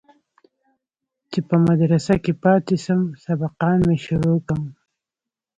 چې په مدرسه كښې پاته سم سبقان مې شروع كم.